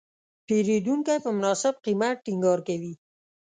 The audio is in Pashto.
پیرودونکی په مناسب قیمت ټینګار کوي.